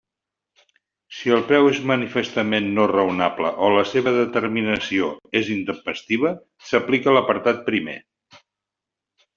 Si el preu és manifestament no raonable o la seva determinació és intempestiva, s'aplica l'apartat primer.